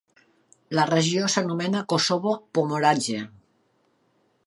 La regió s'anomena Kosovo Pomoravlje.